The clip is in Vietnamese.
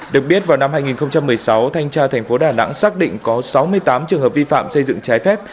được biết vào năm hai nghìn một mươi sáu thanh tra thành phố đà nẵng xác định có sáu mươi tám trường hợp vi phạm xây dựng trái phép